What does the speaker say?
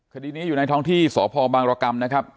คดีนี้อยู่ในท้องที่สพบางรกรรมนะครับ